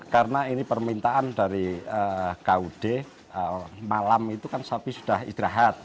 karena ini permintaan dari kud malam itu kan sapi sudah idrahat